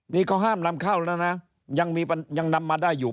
นี่เขาห้ามนำเข้าแล้วนะยังนำมาได้อยู่